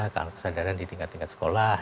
kalau kesadaran di tingkat tingkat sekolah